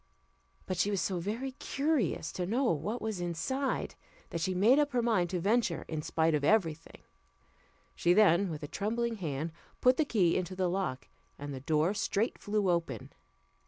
But she was so very curious to know what was inside, that she made up her mind to venture in spite of every thing. She then, with a trembling hand, put the key into the lock, and the door straight flew open.